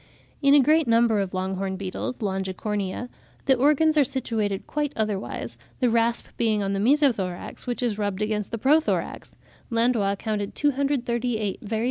In a great number of long horned beetles (Longicornia) the organs are situated quite otherwise, the rasp being on the meso thorax, which is rubbed against the pro thorax; Landois counted 238 very fine ribs on the rasp of Cerambyx heros.